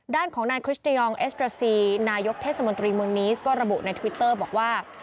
ด้านของนายคริสเตยองเอสตราซีนายกเทศมนตรีเมืองนีสก็ระบุในทวิตเตอร์บอกว่า